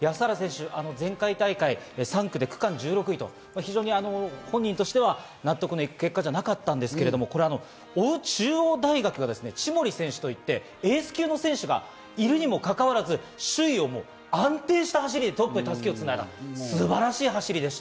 前回大会３区で区間１６位と非常に本人としては納得のいく結果じゃなかったんですけれども、追う中央大学・千守選手といってエース級の選手がいるにもかかわらず、首位を安定した走りでトップで襷をつなぎました。